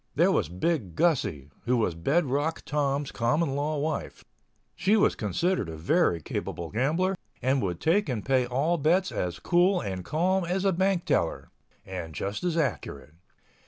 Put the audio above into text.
There was Big Gussie, who was Bed Rock Tom's common law wife. She was considered a very capable gambler and would take and pay all bets as cool and calm as a bank teller—and just as accurate.